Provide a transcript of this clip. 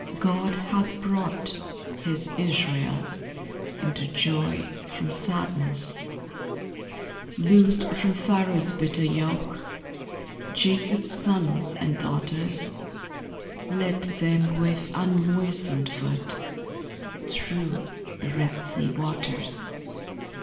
God hath brought His Israel Into joy from sadness ; Loosed from Pharaoh's bitter yoke Jacob's sons and daughters ; Led them with unmoistened foot Through the Red Sea waters.